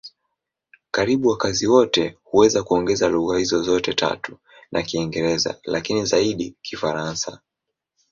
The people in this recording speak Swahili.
Karibu wakazi wote huweza kuongea lugha hizo zote tatu na Kiingereza, lakini zaidi Kifaransa.